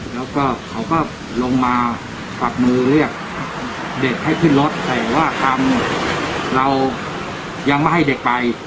แล้วก็เขาก็ลงมากวักมือเรียกเด็กให้ขึ้นรถแต่ว่าทำเรายังไม่ให้เด็กไป